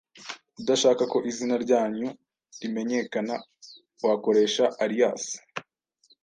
Udashaka ko izina ryanyu rimenyekana wakoresha alias,